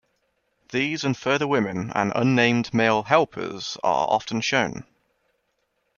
These and further women and unnamed male helpers are often shown.